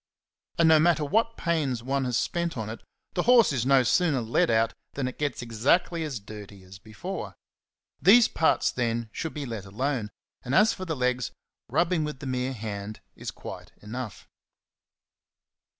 And no matter what pains one has spent on it, the horse is no sooner led out than it gets exactly as dirty as before. These parts, then, should be let alone ; and as for the legs, rub bing with the mere hand is quite enough.